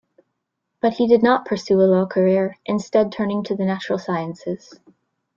But he did not pursue a law career, instead turning to the natural sciences.